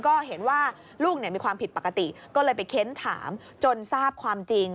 ก็เห็นว่าลูกมีความผิดปกติก็เลยไปเค้นถามจนทราบความจริง